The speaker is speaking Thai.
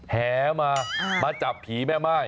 แหมามาจับผีแม่ไม้